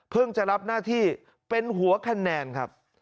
จะรับหน้าที่เป็นหัวคะแนนครับ